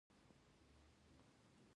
د ایریدانوس سوپر وایډ کشف شوی.